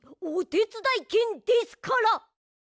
おてつだいけんですから！